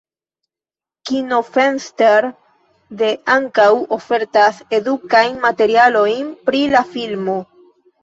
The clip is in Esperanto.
Kinofenster.de ankaŭ ofertas edukajn materialojn pri la filmo.